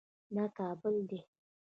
دا کابل دی